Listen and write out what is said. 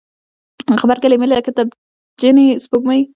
غبرګي لیمې لکه تبجنې سپوږمۍ